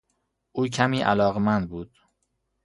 او کمی علاقمند بود.